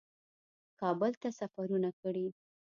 کابل ته سفرونه کړي